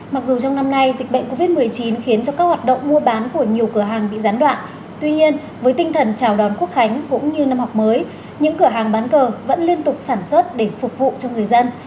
mặc dù trong năm nay dịch bệnh covid một mươi chín khiến cho các hoạt động mua bán của nhiều cửa hàng bị gián đoạn tuy nhiên với tinh thần chào đón quốc khánh cũng như năm học mới những cửa hàng bán cờ vẫn liên tục sản xuất để phục vụ cho người dân